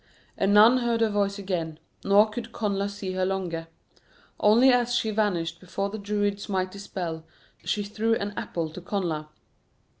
And none heard her voice again, nor could Connla see her longer. Only as she vanished before the Druid's mighty spell, she threw an apple to Connla.